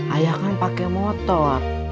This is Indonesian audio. ayah kan pake motor